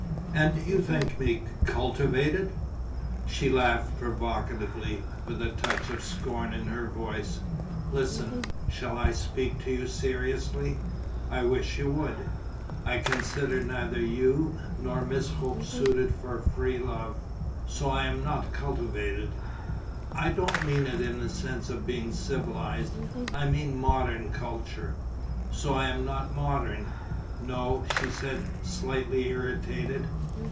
"And do you think me ... cultivated?" She laughed provocatively, with a touch of scorn in her voice: "Listen. Shall I speak to you seriously?" "I wish you would." "I consider neither you nor Miss Hope suited for free love." "So I am not cultivated?" "I don't mean it in the sense of being civilized. I mean modern culture." "So I am not modern." "No," she said, slightly irritated.